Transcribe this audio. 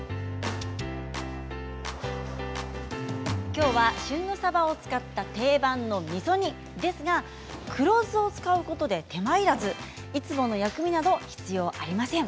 きょうは旬のさばを使った定番のみそ煮ですが黒酢を使うことで手間いらずいつもの薬味など必要ありません。